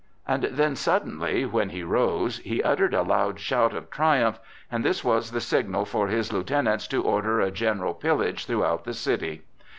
And then suddenly, when he rose, he uttered a loud shout of triumph, and this was the signal for his lieutenants to order a general pillage throughout the city.